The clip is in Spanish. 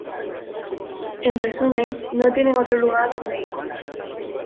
En resumen, no tienen otro lugar a dónde ir.